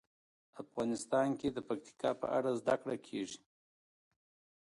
افغانستان کې د پکتیکا په اړه زده کړه کېږي.